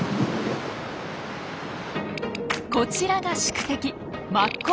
こちらが宿敵